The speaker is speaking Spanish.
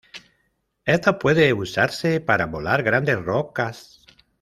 Esto puede usarse para volar grandes rocas.